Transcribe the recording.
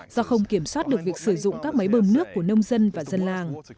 do không kiểm soát được việc sử dụng các máy bơm nước của nông dân và dân làng